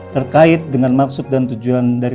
terkait dengan maksud dan tujuan dari